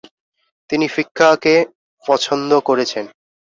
তিনি ফিক্বাহকে পছন্দ করেছেন।